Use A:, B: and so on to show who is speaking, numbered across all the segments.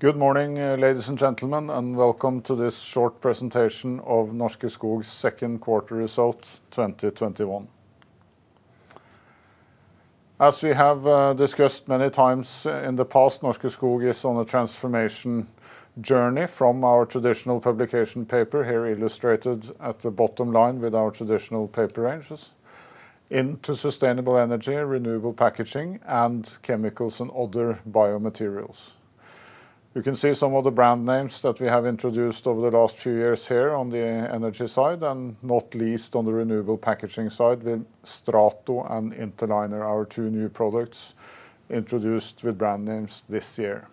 A: Good morning, ladies and gentlemen, and welcome to this short presentation of Norske Skog's second quarter results 2021. As we have discussed many times in the past, Norske Skog is on a transformation journey from our traditional publication paper, here illustrated at the bottom line with our traditional paper ranges, into sustainable energy, renewable packaging, and chemicals and other biomaterials. You can see some of the brand names that we have introduced over the last few years here on the energy side, and not least on the renewable packaging side with STRATO and Interliner, our two new products introduced with brand names this year.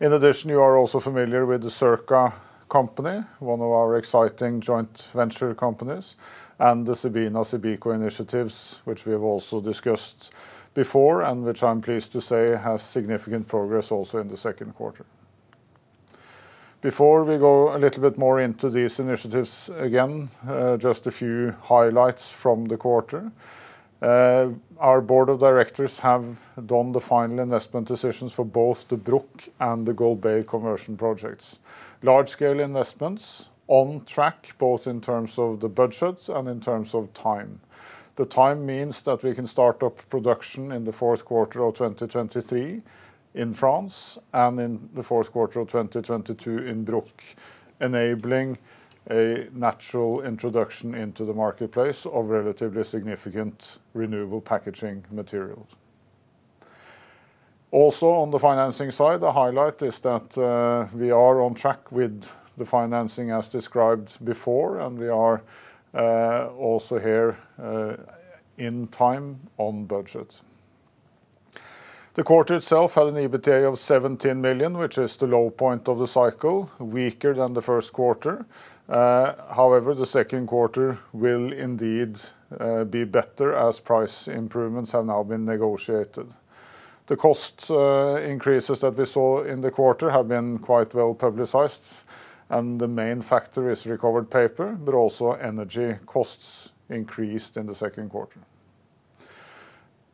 A: In addition, you are also familiar with the Circa Group, one of our exciting joint venture companies, and the CEBINA/CEBICO initiatives, which we have also discussed before and which I'm pleased to say has significant progress also in the second quarter. Before we go a little bit more into these initiatives again, just a few highlights from the quarter. Our board of directors have done the final investment decisions for both the Bruck and the Golbey conversion projects. Large-scale investments on track both in terms of the budget and in terms of time. The time means that we can start up production in the fourth quarter of 2023 in France and in the fourth quarter of 2022 in Bruck, enabling a natural introduction into the marketplace of relatively significant renewable packaging materials. On the financing side, the highlight is that we are on track with the financing as described before, and we are also here in time, on budget. The quarter itself had an EBITDA of 17 million, which is the low point of the cycle, weaker than the first quarter. However, the second quarter will indeed be better as price improvements have now been negotiated. The cost increases that we saw in the quarter have been quite well-publicized, and the main factor is recovered paper, but also energy costs increased in the second quarter.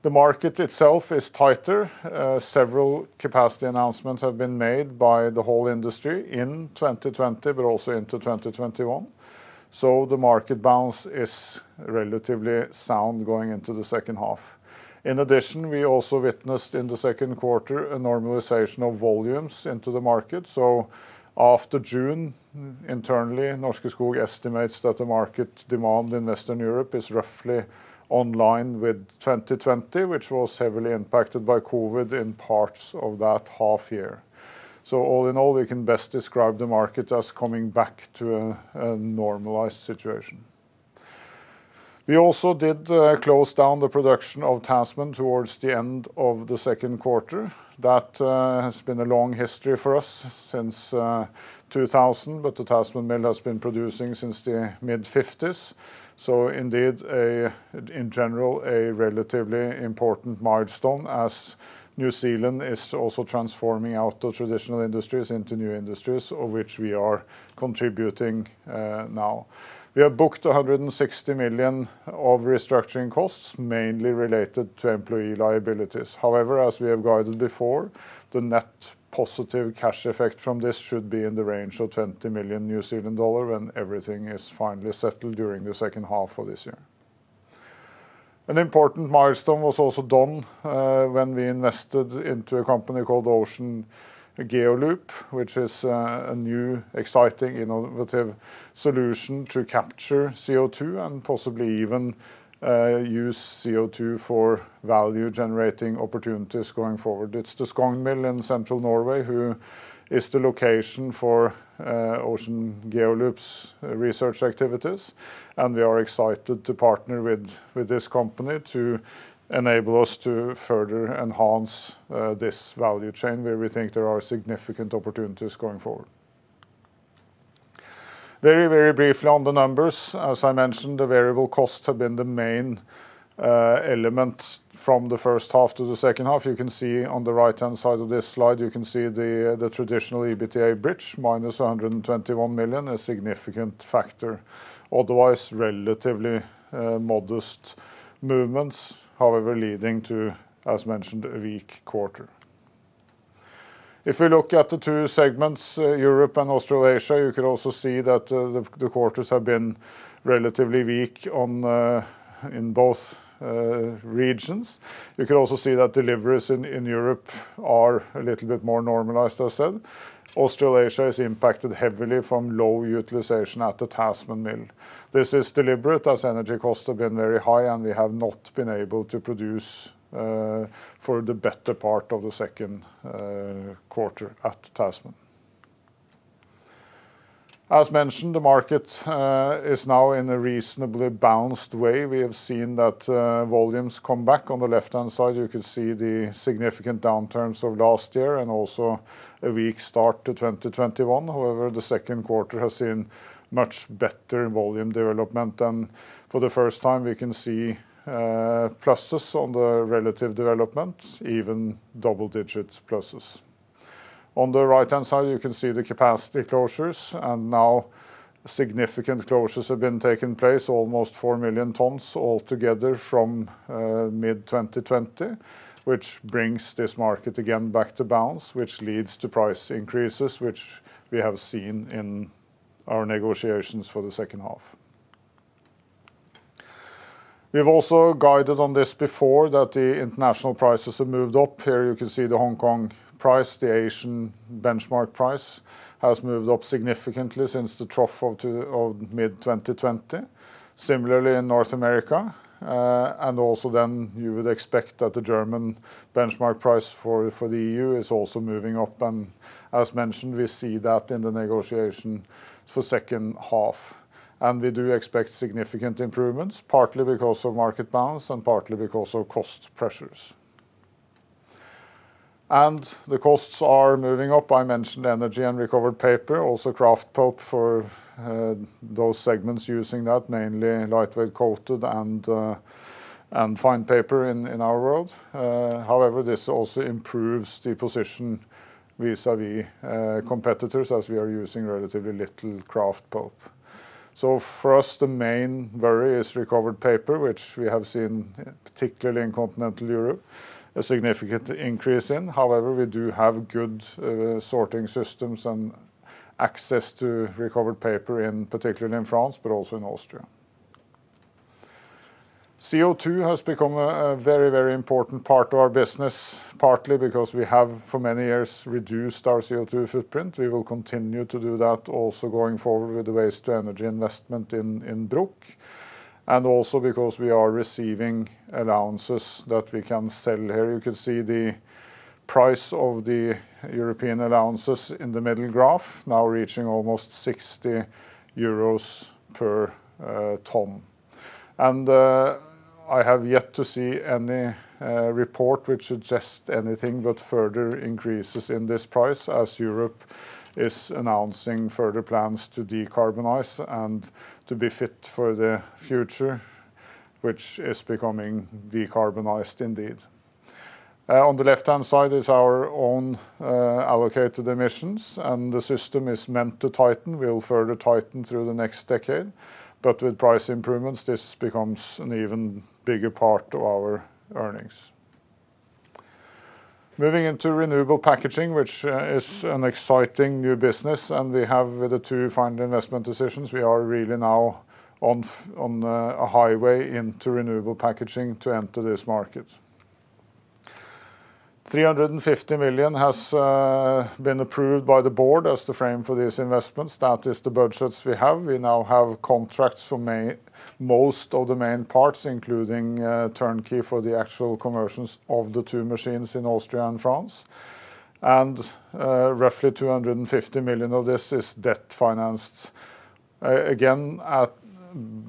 A: The market itself is tighter. Several capacity announcements have been made by the whole industry in 2020 but also into 2021. The market bounce is relatively sound going into the second half. In addition, we also witnessed in the second quarter a normalization of volumes into the market. After June, internally, Norske Skog estimates that the market demand in Western Europe is roughly online with 2020, which was heavily impacted by COVID in parts of that half year. All in all, we can best describe the market as coming back to a normalized situation. We also did close down the production of Tasman towards the end of the second quarter. That has been a long history for us, since 2000. The Tasman Mill has been producing since the mid-1950s. Indeed, in general, a relatively important milestone as New Zealand is also transforming out of traditional industries into new industries, of which we are contributing now. We have booked 160 million of restructuring costs, mainly related to employee liabilities. However, as we have guided before, the net positive cash effect from this should be in the range of 20 million New Zealand dollar when everything is finally settled during the second half of this year. An important milestone was also done when we invested into a company called Ocean GeoLoop, which is a new, exciting, innovative solution to capture CO2 and possibly even use CO2 for value-generating opportunities going forward. It's the Skogn Mill in central Norway who is the location for Ocean GeoLoop's research activities. We are excited to partner with this company to enable us to further enhance this value chain, where we think there are significant opportunities going forward. Very briefly on the numbers. As I mentioned, the variable costs have been the main element from the first half to the second half. You can see on the right-hand side of this slide, you can see the traditional EBITDA bridge, - 121 million, a significant factor. Otherwise, relatively modest movements, however, leading to, as mentioned, a weak quarter. If we look at the two segments, Europe and Australasia, you can also see that the quarters have been relatively weak in both regions. You can also see that deliveries in Europe are a little bit more normalized, as I said. Australasia is impacted heavily from low utilization at the Tasman mill. This is deliberate, as energy costs have been very high, and we have not been able to produce for the better part of the second quarter at Tasman. As mentioned, the market is now in a reasonably bounced way. We have seen that volumes come back. On the left-hand side, you can see the significant downturns of last year and also a weak start to 2021. However, the second quarter has seen much better volume development, and for the first time, we can see pluses on the relative development, even double-digit pluses. On the right-hand side, you can see the capacity closures, and now significant closures have been taking place, almost 4 million tons altogether from mid-2020, which brings this market again back to balance, which leads to price increases, which we have seen in our negotiations for the second half. We've also guided on this before, that the international prices have moved up. Here you can see the Hong Kong price. The Asian benchmark price has moved up significantly since the trough of mid-2020. Similarly in North America. Also then you would expect that the German benchmark price for the EU is also moving up, and as mentioned, we see that in the negotiation for second half. We do expect significant improvements, partly because of market balance and partly because of cost pressures. The costs are moving up. I mentioned energy and recovered paper, also kraft pulp for those segments using that, mainly lightweight coated and fine paper in our world. This also improves the position vis-à-vis competitors, as we are using relatively little kraft pulp. For us, the main worry is recovered paper, which we have seen, particularly in continental Europe, a significant increase in. We do have good sorting systems and access to recovered paper, particularly in France, but also in Austria. CO2 has become a very important part of our business, partly because we have, for many years, reduced our CO2 footprint. We will continue to do that also going forward with the waste-to-energy investment in Bruck, also because we are receiving allowances that we can sell. Here you can see the price of the European allowances in the middle graph, now reaching almost 60 euros per ton. I have yet to see any report which suggests anything but further increases in this price, as Europe is announcing further plans to decarbonize and to be fit for the future, which is becoming decarbonized indeed. On the left-hand side is our own allocated emissions, the system is meant to tighten. We'll further tighten through the next decade. With price improvements, this becomes an even bigger part of our earnings. Moving into renewable packaging, which is an exciting new business, we have the two final investment decisions. We are really now on a highway into renewable packaging to enter this market. 350 million has been approved by the Board as the frame for these investments. That is the budgets we have. We now have contracts for most of the main parts, including turnkey for the actual conversions of the two machines in Austria and France. Roughly 250 million of this is debt financed. Again,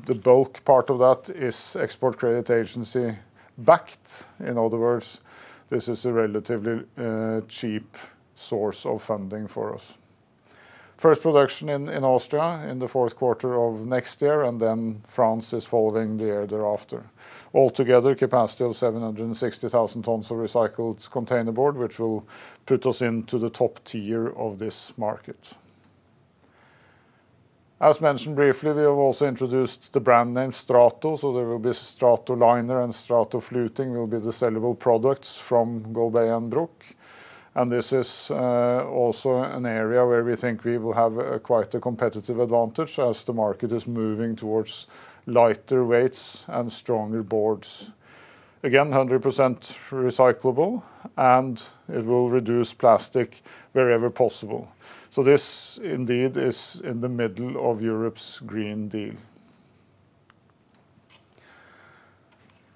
A: the bulk part of that is export credit agency-backed. In other words, this is a relatively cheap source of funding for us. First production in Austria in the fourth quarter of next year, France is following the year thereafter. Altogether, capacity of 760,000 tons of recycled containerboard, which will put us into the top tier of this market. As mentioned briefly, we have also introduced the brand name Strato. There will be StratoLiner and StratoFluting will be the sellable products from Golbey and Bruck. This is also an area where we think we will have quite a competitive advantage as the market is moving towards lighter weights and stronger boards. Again, 100% recyclable, and it will reduce plastic wherever possible. This indeed is in the middle of European Green Deal.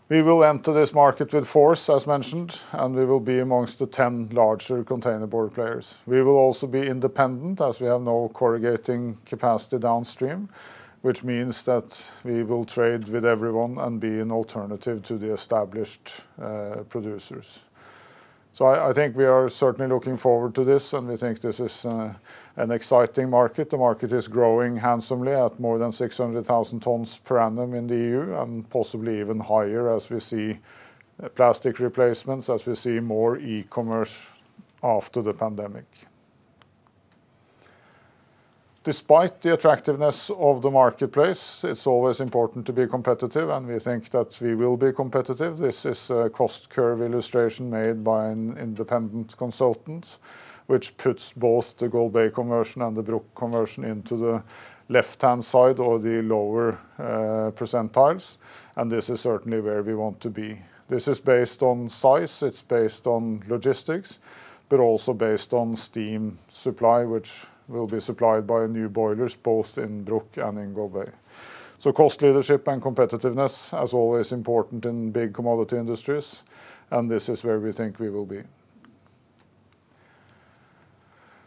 A: We will enter this market with force, as mentioned, and we will be amongst the 10 larger containerboard players. We will also be independent, as we have no corrugating capacity downstream, which means that we will trade with everyone and be an alternative to the established producers. I think we are certainly looking forward to this, and we think this is an exciting market. The market is growing handsomely at more than 600,000 tons per annum in the EU and possibly even higher as we see plastic replacements, as we see more e-commerce after the pandemic. Despite the attractiveness of the marketplace, it's always important to be competitive, and we think that we will be competitive. This is a cost curve illustration made by an independent consultant, which puts both the Golbey conversion and the Bruck conversion into the left-hand side, or the lower percentiles, and this is certainly where we want to be. This is based on size, it's based on logistics, but also based on steam supply, which will be supplied by new boilers both in Bruck and in Golbey. Cost leadership and competitiveness, as always, important in big commodity industries, and this is where we think we will be.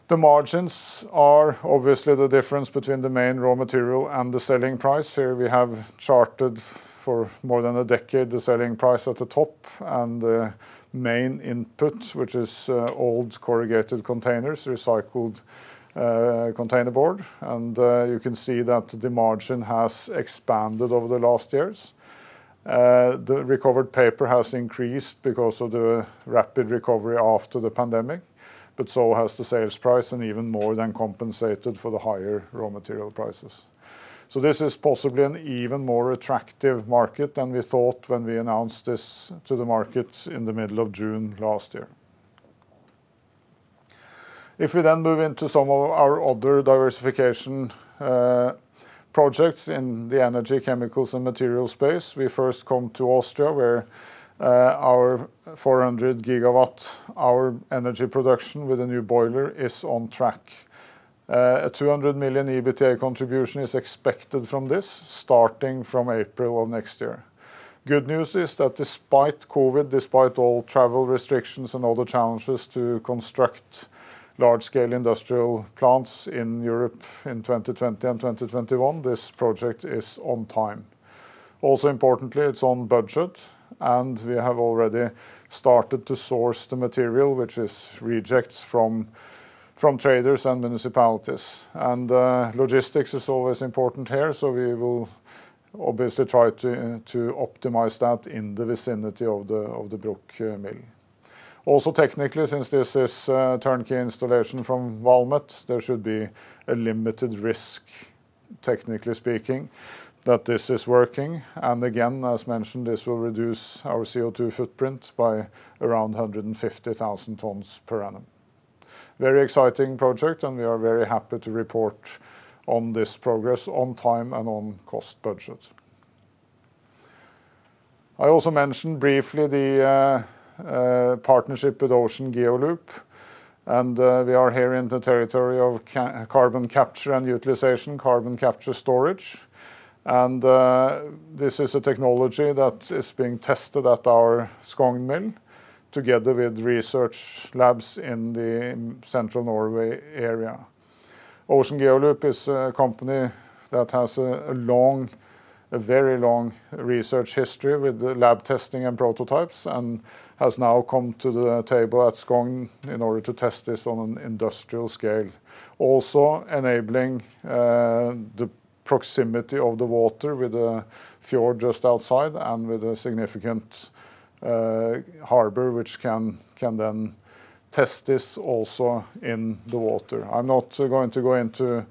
A: The margins are obviously the difference between the main raw material and the selling price. Here we have charted for more than a decade the selling price at the top and the main input, which is old corrugated containers, recycled containerboard. You can see that the margin has expanded over the last years. The recovered paper has increased because of the rapid recovery after the pandemic, but so has the sales price, and even more than compensated for the higher raw material prices. This is possibly an even more attractive market than we thought when we announced this to the market in the middle of June last year. If we move into some of our other diversification projects in the energy, chemicals, and material space, we first come to Austria, where our 400 gigawatt hour energy production with a new boiler is on track. A 200 million EBITDA contribution is expected from this, starting from April of next year. Good news is that despite COVID, despite all travel restrictions and other challenges to construct large-scale industrial plants in Europe in 2020 and 2021, this project is on time. Also importantly, it's on budget, and we have already started to source the material, which is rejects from traders and municipalities. Logistics is always important here, so we will obviously try to optimize that in the vicinity of the Bruck mill. Also technically, since this is a turnkey installation from Valmet, there should be a limited risk, technically speaking, that this is working. Again, as mentioned, this will reduce our CO2 footprint by around 150,000 tons per annum. Very exciting project. We are very happy to report on this progress on time and on cost budget. I also mentioned briefly the partnership with Ocean GeoLoop, we are here in the territory of carbon capture and utilization, carbon capture storage. This is a technology that is being tested at our Skogn mill together with research labs in the central Norway area. Ocean GeoLoop is a company that has a very long research history with lab testing and prototypes and has now come to the table at Skogn in order to test this on an industrial scale, also enabling the proximity of the water with the fjord just outside and with a significant harbor which can then test this also in the water. I'm not going to go into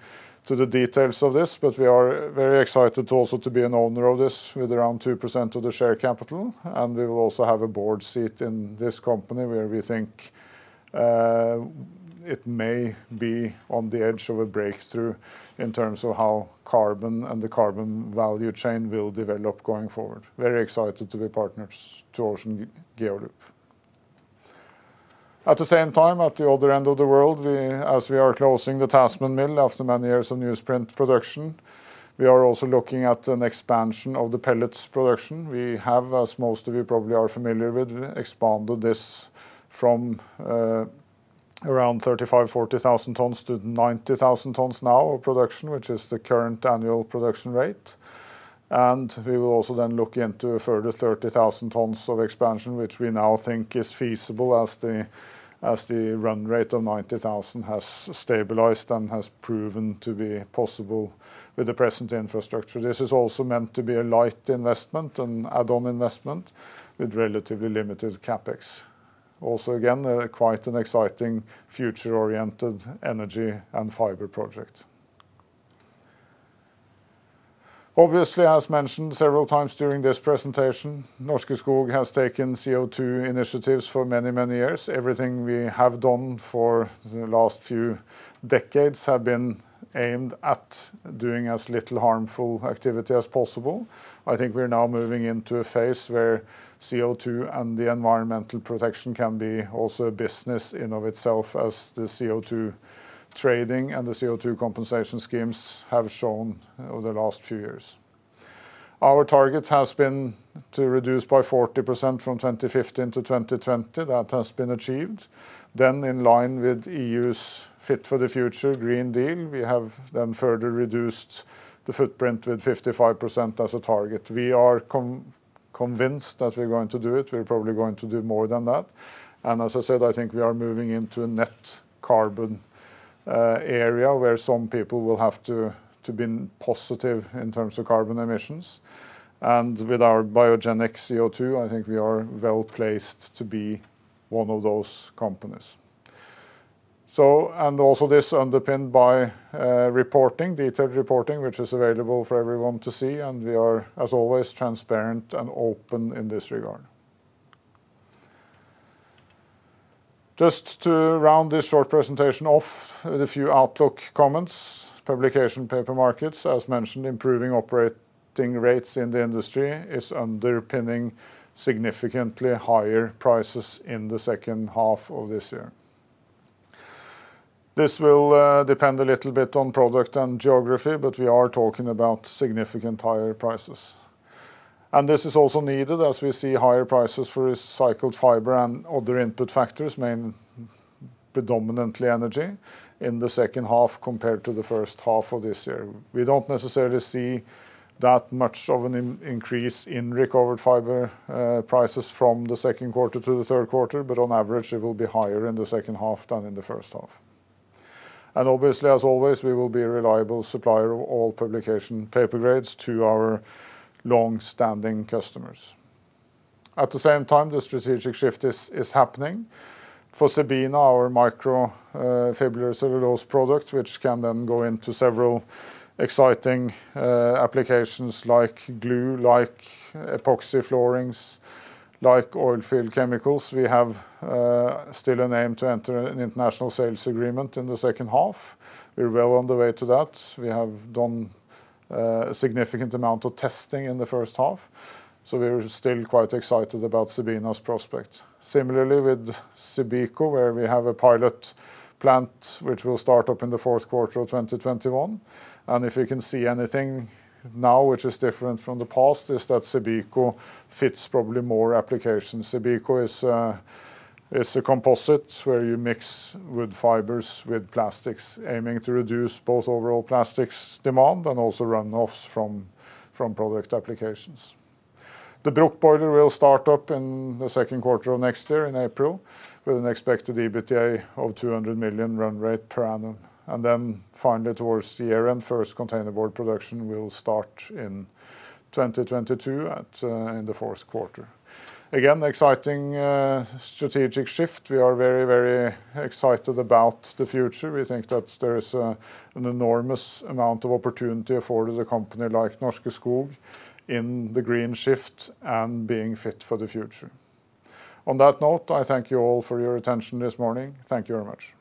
A: the details of this, but we are very excited to also to be an owner of this with around 2% of the share capital, and we will also have a board seat in this company where we think it may be on the edge of a breakthrough in terms of how carbon and the carbon value chain will develop going forward. Very excited to be partners to Ocean GeoLoop. At the same time, at the other end of the world, as we are closing the Tasman mill after many years of newsprint production, we are also looking at an expansion of the pellets production. We have, as most of you probably are familiar with, expanded this from around 35,000, 40,000 tons to 90,000 tons now of production, which is the current annual production rate. We will also then look into a further 30,000 tons of expansion, which we now think is feasible as the run rate of 90,000 has stabilized and has proven to be possible with the present infrastructure. This is meant to be a light investment, an add-on investment with relatively limited CapEx. Again, quite an exciting future-oriented energy and fiber project. Obviously, as mentioned several times during this presentation, Norske Skog has taken CO2 initiatives for many, many years. Everything we have done for the last few decades have been aimed at doing as little harmful activity as possible. I think we're now moving into a phase where CO2 and the environmental protection can be also a business in of itself as the CO2 trading and the CO2 compensation schemes have shown over the last few years. Our target has been to reduce by 40% from 2015 to 2020. That has been achieved. In line with EU's Fit for 55 Green Deal, we have then further reduced the footprint with 55% as a target. We are convinced that we're going to do it. We're probably going to do more than that. As I said, I think we are moving into a net carbon area where some people will have to be positive in terms of carbon emissions. With our biogenic CO2, I think we are well-placed to be one of those companies. Also this underpinned by detailed reporting, which is available for everyone to see, and we are, as always, transparent and open in this regard. Just to round this short presentation off with a few outlook comments. publication paper markets, as mentioned, improving operating rates in the industry is underpinning significantly higher prices in the second half of this year. This will depend a little bit on product and geography, but we are talking about significant higher prices. This is also needed as we see higher prices for recycled fiber and other input factors, predominantly energy, in the second half compared to the first half of this year. We don't necessarily see that much of an increase in recovered paper prices from the second quarter to the third quarter, but on average, it will be higher in the second half than in the first half. Obviously, as always, we will be a reliable supplier of all publication paper grades to our longstanding customers. At the same time, the strategic shift is happening. For CEBINA, our microfibrillated cellulose product, which can then go into several exciting applications like glue, like epoxy floorings, like oil field chemicals, we have still an aim to enter an international sales agreement in the second half. We're well on the way to that. We have done a significant amount of testing in the first half, so we're still quite excited about CEBINA's prospects. Similarly with CEBICO, where we have a pilot plant which will start up in the fourth quarter of 2021. If you can see anything now which is different from the past is that CEBICO fits probably more applications. CEBICO is a composite where you mix wood fibers with plastics, aiming to reduce both overall plastics demand and also runoffs from product applications. The Bruck boiler will start up in the second quarter of next year in April, with an expected EBITDA of 200 million run rate per annum. Finally towards the year end, first containerboard production will start in 2022 in the fourth quarter. Again, exciting strategic shift. We are very excited about the future. We think that there is an enormous amount of opportunity for the company like Norske Skog in the green shift and being fit for the future. On that note, I thank you all for your attention this morning. Thank you very much.